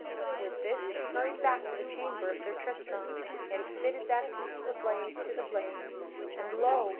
With this she hurried back to the chamber of Sir Tristram, and fitted that piece of the blade to the blade; and lo!